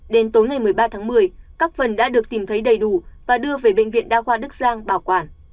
đến tối ngày một mươi ba tháng một mươi các phần đã được tìm thấy đầy đủ và đưa về bệnh viện đa khoa đức giang bảo quản